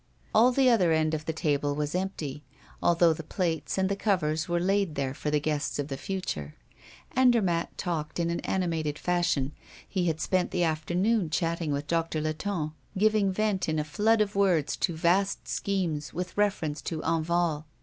All the other end of the table was empty, although the plates and the covers were laid there for the guests of the future. Andermatt talked in an animated fashion. He had spent the afternoon chatting with Doctor Latonne, giving vent in a flood of words to vast schemes with reference to Enval.